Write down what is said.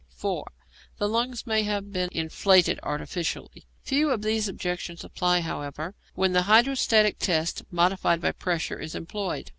(4) The lungs may have been inflated artificially. Few of these objections apply, however, when the hydrostatic test, modified by pressure, is employed.